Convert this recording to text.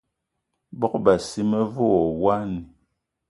Bogb-assi me ve wo wine.